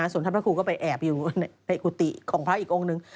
ส่วนท่านพระครูก็ไปแอบอยู่ในกุฏิของพระอีกองค์หนึ่ง